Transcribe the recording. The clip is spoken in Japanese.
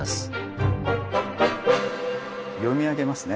読み上げますね。